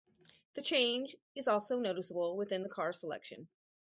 The change is also noticeable within the car selection.